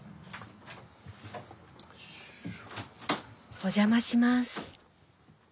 お邪魔します。